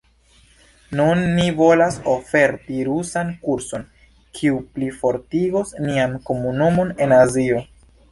Nun ni volas oferti rusan kurson, kiu plifortigos nian komunumon en Azio.